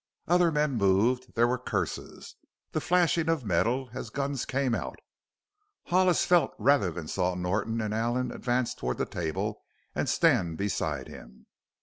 Other men moved. There were curses; the flashing of metal as guns came out. Hollis felt rather than saw Norton and Allen advance toward the table and stand beside him.